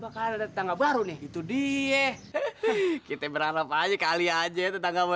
sampai jumpa di video selanjutnya